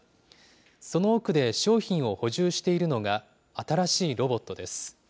その奥で商品を補充しているのが新しいロボットです。